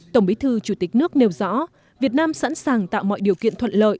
tổng bí thư chủ tịch nước nêu rõ việt nam sẵn sàng tạo mọi điều kiện thuận lợi